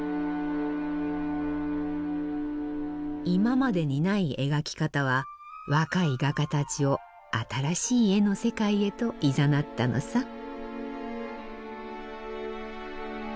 今までにない描き方は若い画家たちを新しい絵の世界へといざなったのさ。